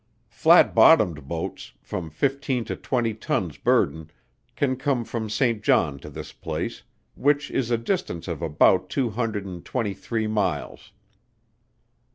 Flat bottomed boats, from fifteen to twenty tons burthen, can come from St. John to this place, which is a distance of about two hundred and twenty three miles.